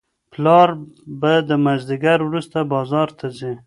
پلار به د مازیګر وروسته بازار ته ځي.